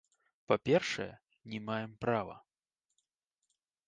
Па-першае, не маем права.